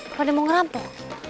apa dia mau ngerampok